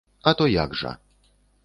А то як жа.